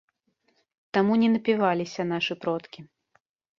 Таму не напіваліся нашы продкі.